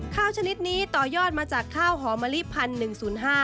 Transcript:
ข้าวชนิดนี้ต่อยอดมาจากข้าวหอมะลิธรรมศาสตร์พันธุ์๑๐๕